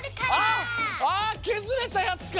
あっあけずれたやつか！